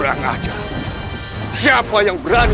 ayuh cepat antarkan aku